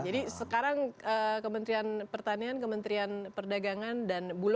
jadi sekarang kementerian pertanian kementerian perdagangan dan bulog